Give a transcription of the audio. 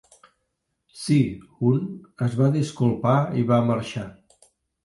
Si-Hun es va disculpar i va marxar.